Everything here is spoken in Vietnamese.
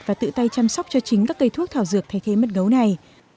và tự tay chăm sóc cho chính các cây thuốc thảo dược thay thế mật gấu này